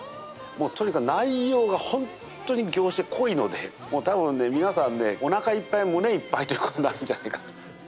もうとにかく、内容が本当に濃いので、もうたぶんね、皆さんね、おなかいっぱい、胸いっぱいということになるんじゃないかと。